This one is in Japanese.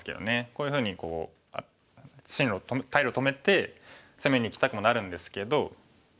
こういうふうに退路を止めて攻めにいきたくもなるんですけど。